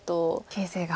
形勢が。